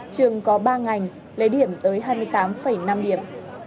trường có ba ngành lấy điểm tới hai mươi tám năm điểm